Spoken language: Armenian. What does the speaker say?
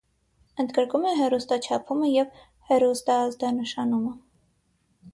Ընդգրկում է հեռուստաչափումը և հեռուստաազդանշումը։